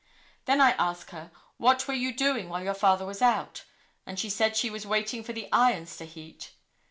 Then I asked her: 'What were you doing while your father was out?' and she said she was waiting for the irons to heat.